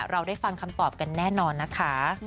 เราได้ฟังคำตอบกันแน่นอนนะคะ